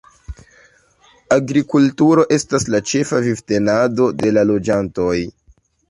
Agrikulturo estas la ĉefa vivtenado de la loĝantoj.